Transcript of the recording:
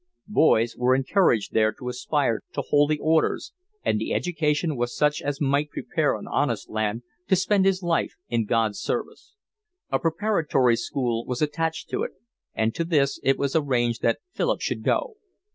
Boys were encouraged there to aspire to Holy Orders, and the education was such as might prepare an honest lad to spend his life in God's service. A preparatory school was attached to it, and to this it was arranged that Philip should go.